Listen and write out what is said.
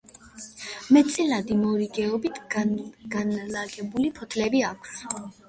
მეტწილად მორიგეობით განლაგებული ფოთლები აქვს.